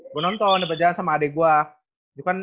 gue nonton di pajajaran sama adek gue